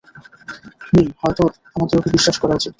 Ming, হয়তো আমাদের ওকে বিশ্বাস করা উচিৎ।